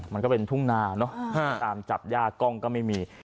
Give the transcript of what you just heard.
มันก็เป็นทุ่งนาเนอะตามจับยากกล้องก็ไม่มี